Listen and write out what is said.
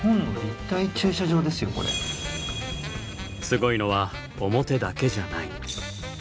すごいのは表だけじゃない。